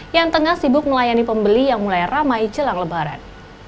yang tengah sibuk melayani pembeli yang mulai ramai jelang lebaran